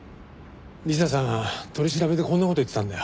理彩さんは取り調べでこんな事を言ってたんだよ。